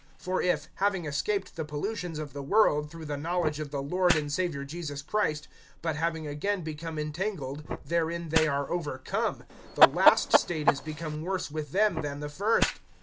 (20)For if, having escaped the pollutions of the world through the knowledge of the Lord and Savior Jesus Christy but having again become entangled therein they are overcome, the last state is become worse with them than the first.